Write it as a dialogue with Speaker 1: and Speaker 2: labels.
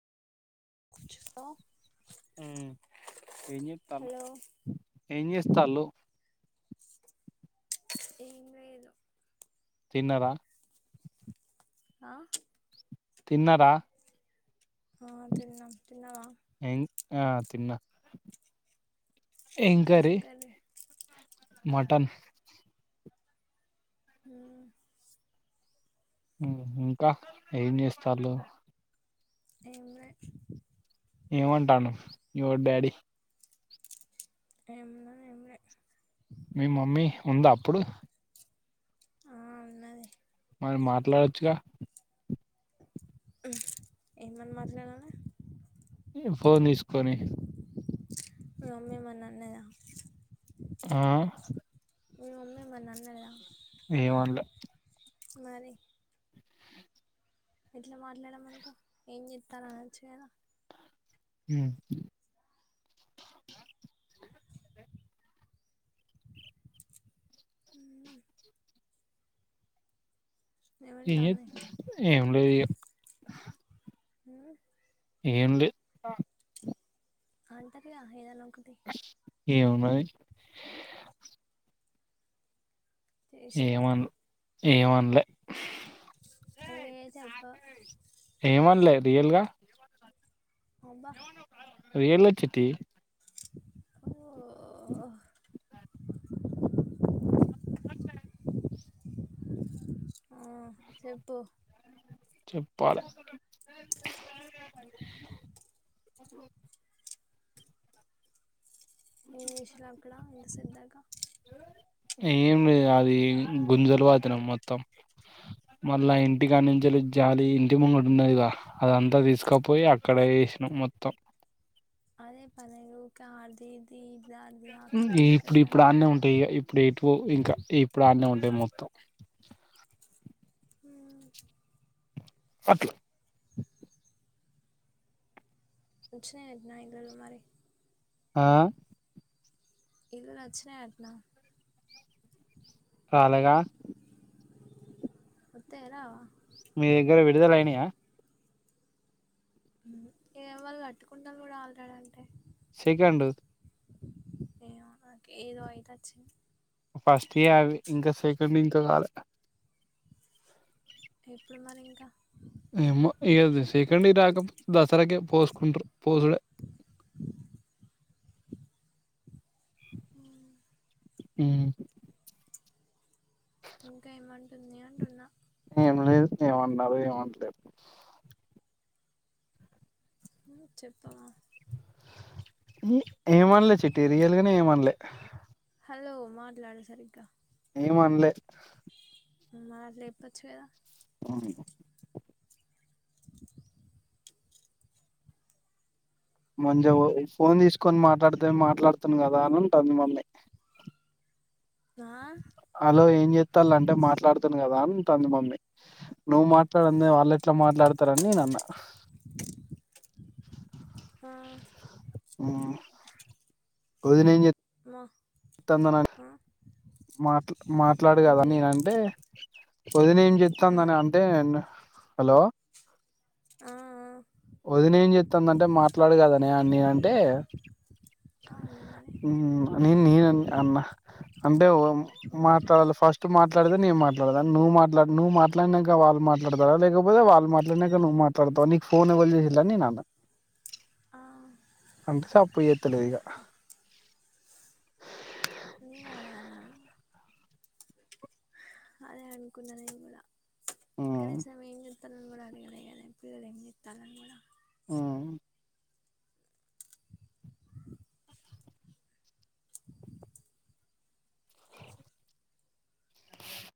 Speaker 1: Hello
Speaker 2: మ్ ఎం చేత్తళ్ళు
Speaker 1: హలో
Speaker 2: ఏం చేస్తళ్ళు
Speaker 1: ఏం లేదు
Speaker 2: తిన్నరా
Speaker 1: ఆ
Speaker 2: తిన్నరా
Speaker 1: అ తిన్న నువ్ తిన్నావా
Speaker 2: ఏం ఆ తిన్న
Speaker 1: ఎం కర్రీ
Speaker 2: మటన్
Speaker 1: హ
Speaker 2: మ్ ఇంకా ఏం చేస్తళ్ళు
Speaker 1: ఎం లేదు
Speaker 2: ఏమంటాండు యు వర్ డాడీ
Speaker 1: ఏమున్నది ఎం లే
Speaker 2: మీ మమ్మీ ఉందా అప్పుడు
Speaker 1: ఆ ఉన్నది
Speaker 2: మరి మాట్లాడొచ్చుగా
Speaker 1: ఏమని మాట్లాడాలీ
Speaker 2: ఫోన్ తీసుకొని
Speaker 1: మీ మమ్మీ ఏమన్న అన్నదా
Speaker 2: ఆ
Speaker 1: మీ మమ్మీ ఏమన్న అన్నదా
Speaker 2: ఏమన్లే
Speaker 1: మరి ఎట్ల మాట్లాడమంటావు ఏం చెత్తనవ్ ఆనోచ్చు కదా
Speaker 2: మ్
Speaker 1: ఉమ్
Speaker 2: ఎం
Speaker 1: ఏమంటాంది
Speaker 2: చేత్ ఏం లేదు ఇగా
Speaker 1: మ్
Speaker 2: ఏం లేద్
Speaker 1: అంటారు గ ఇదనో
Speaker 2: ఏం ఉన్నది
Speaker 1: శేశ్నాంక
Speaker 2: ఏమన్ ఏమనలే
Speaker 1: ఏ చెప్పు
Speaker 2: ఏమనలే రియల్ గా
Speaker 1: అబ్బా
Speaker 2: రియల్ గా చిట్టి
Speaker 1: ఓ
Speaker 2: [unintelligible] [unintelligible]
Speaker 1: ఆ చెప్పు
Speaker 2: చెప్పాలె [unintelligible]
Speaker 1: ఏం చేసావ్ అక్కడ ఇంతసేప్ ధాకా
Speaker 2: ఏం లేదు అది గుంజలు వతినం మొత్తం మళ్ళా ఇంటి కానించేలీ జాలి ఇంటి ముంగడున్నది గ అదంతా తీసుకపోయి అక్కడ ఏ చ్చినం మొత్తం
Speaker 1: అదే పన ఊకె అడిది ఇడిది
Speaker 2: మ్ ఇప్పుడు ఇప్పుడు అన్నే ఉంటాయి ఇగా ఇప్ ఇంకా ఇప్పుడు ఆడ్నే ఉంటాయి మొత్తం
Speaker 1: ఆ
Speaker 2: అట్లా
Speaker 1: వచ్చినాయట్నా [unintelligible] మరి
Speaker 2: ఆ
Speaker 1: ఇల్లులు వచ్చినయట్న
Speaker 2: రాలేగా
Speaker 1: తెరా
Speaker 2: మీ దగ్గర విడుదల అయినాయా
Speaker 1: [inaudible]
Speaker 2: సెకండు
Speaker 1: ఏమో నాకు ఏదో అయితే అచ్చింది
Speaker 2: ఫస్ట్ యే అవి ఇంకా సెకండ్ ఇంకా కాల్
Speaker 1: ఎప్పుడు మరి ఇంకా
Speaker 2: ఏమో ఈరోజు సెకండ్ ది రాకపోతే దసరాకే పోసుకుంటారు పోసుడే హుమ్
Speaker 1: ఇంకా ఏమంటుంది అంటున్నా
Speaker 2: ఏం లేదు ఏమన్నారు ఏమంటలేదు
Speaker 1: చెప్పావా
Speaker 2: ఏమన్లే చిట్టి రియల్గానే ఏమన్లే
Speaker 1: హలో మాట్లాడ్ సరిగ్గా
Speaker 2: ఏం అన్లే
Speaker 1: మాట్లెప్పొచుకదా
Speaker 2: అవును మంజవు ఫోన్ తీసుకొని మాట్లాడితే మాట్లాడుతును కదా అని ఉంటది మమ్మి
Speaker 1: ఆ
Speaker 2: అలో ఏం జేత్తల్ అంటే మాట్లాడుతును కదా అంటాంది మమ్మీ నువ్వు మాట్లాడందే వాళ్ ఎట్ల మాట్లాడతారని నేను అన్న
Speaker 1: ఆ
Speaker 2: ఆ వదిన ఏం జేత్
Speaker 1: మా,
Speaker 2: తందనా
Speaker 1: ఆ,
Speaker 2: మాట్ మాట్లాడు కదా
Speaker 1: ఏంటిది
Speaker 2: నేనంటే వదినేం
Speaker 1: ఆ?
Speaker 2: జేత్తందని అంటే నే హలో
Speaker 1: ఆ ఆ
Speaker 2: వదినేం జెత్తందని అంటే మాట్లాడు కదనే అని నేనంటే
Speaker 1: అవును మరి
Speaker 2: హుమ్ నేన్ నే అన్నా అంటే ఓ
Speaker 1: మ్మ్.
Speaker 2: మాట్లాడాలి ఫస్ట్ మాట్లాడితే నే మాట్లా నువ్ మాట్లాడ్ నువ్వు మాట్లాడినాంక వాళ్ళు మాట్లాడతరా లేకపోతే వాళ్ళు మాట్లాడినాక నువ్ మాట్లాడతావ నీకు ఫోన్ చేసేదా అన్ నేన్ అన్నా
Speaker 1: ఆ,
Speaker 2: అంటే చప్పుడు సెత్తలేదు ఇగా
Speaker 1: ఏం అదే అనుకున్నాను నేను కూడా కనీసం ఏం [unintelligible]
Speaker 2: ఆ